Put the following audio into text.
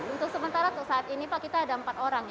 untuk sementara saat ini pak kita ada empat orang